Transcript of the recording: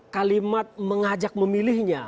kalimat mengajak memilihnya